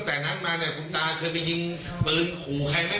สายยิงสาย